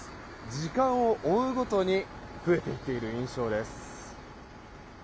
時間を追うごとに増えていっている印象です。